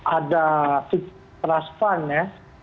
ada fitraspan ya